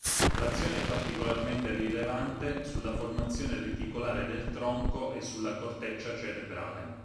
L'azione è particolarmente rilevante sulla formazione reticolare del tronco e sulla corteccia cerebrale.